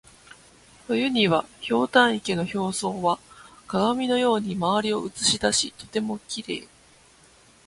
冬には、ひょうたん池の表層は鏡のように周りを写し出しとてもきれい。